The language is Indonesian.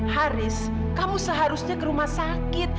haris kamu seharusnya ke rumah sakit